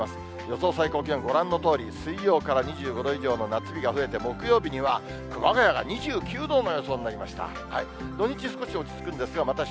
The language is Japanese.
予想最高気温、ご覧のとおり、水曜から２５度以上の夏日が増えて、木曜日には熊谷が２９度の予想になりました。